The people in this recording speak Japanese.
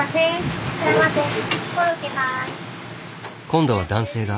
今度は男性が。